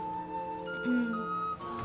うん。